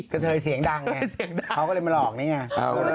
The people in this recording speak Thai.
กระเทยเสียงดังไงเขาก็เลยมาหลอกนี่ไง